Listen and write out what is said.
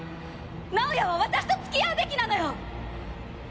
直哉は私と付き合うべきなのよ！